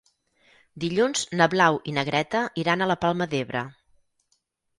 Dilluns na Blau i na Greta iran a la Palma d'Ebre.